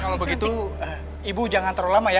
kalau begitu ibu jangan terlalu lama ya